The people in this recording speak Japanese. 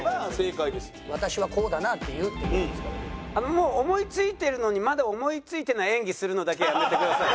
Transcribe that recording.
もう思いついてるのにまだ思いついてない演技するのだけはやめてください。